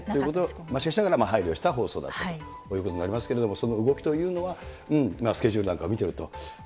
しかしながら配慮した放送だったということになりますけれども、その動きというのは、スケジュールなんかを見てると。